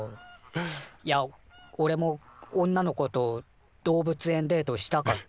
いやおれも女の子と動物園デートしたかったなって。